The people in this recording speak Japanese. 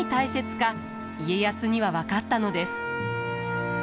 家康には分かったのです。